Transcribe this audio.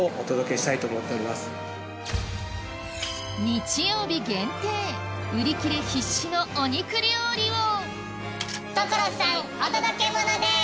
日曜日限定売り切れ必至のお肉料理を所さんお届けモノです！